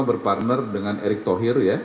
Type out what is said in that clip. berpartner dengan erik tohir ya